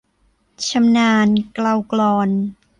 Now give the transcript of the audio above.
ชำนาญเกลากลอน